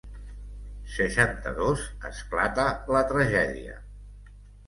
Seixanta-dos esclata la tragèdia.